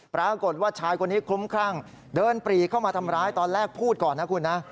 ปรากฏว่าชายคนนี้คลุ้มคลั่งเดินปรีเข้ามาทำร้ายตอนแรกพูดก่อนนะคุณนะ